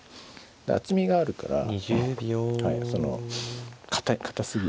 厚みがあるからその堅すぎる。